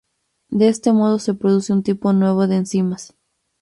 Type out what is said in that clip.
De este modo se produce un tipo nuevo de enzimas.